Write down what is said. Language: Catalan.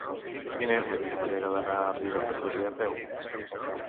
Quina és la millor manera d'anar a Ribes de Freser a peu?